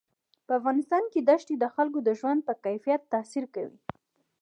په افغانستان کې دښتې د خلکو د ژوند په کیفیت تاثیر کوي.